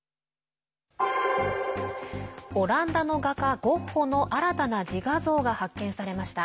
オランダの画家、ゴッホの新たな自画像が発見されました。